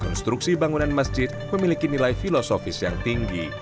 konstruksi bangunan masjid memiliki nilai filosofis yang tinggi